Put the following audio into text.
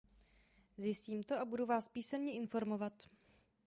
Zjistím to a budu vás písemně informovat.